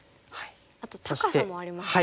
あと高さもありますね。